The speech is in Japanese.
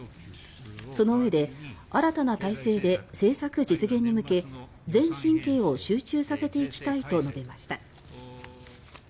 そのうえで新たな体制で政策実現に向け全神経を集中させていきたいと述べました。